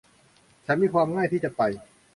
ฉันมีความง่ายที่จะไป